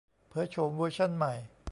เผยโฉมเวอร์ชั่นใหม่